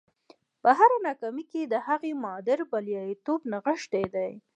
په هره ناکامۍ کې د هغې معادل بریالیتوب نغښتی دی